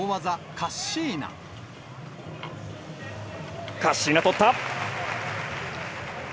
カッシーナ、取った。